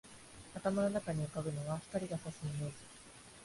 頭の中に浮ぶのは、光が射すイメージ